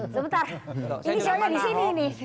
sebentar ini shownya disini nih